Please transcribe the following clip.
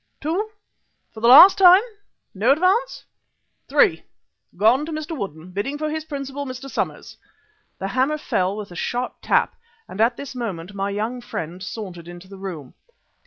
Two. For the last time no advance? Three. Gone to Mr. Woodden, bidding for his principal, Mr. Somers." The hammer fell with a sharp tap, and at this moment my young friend sauntered into the room.